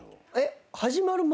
始まる前？